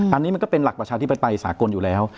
อันนี้มันก็เป็นหลักประชาธิปไตยสากลอยู่แล้ว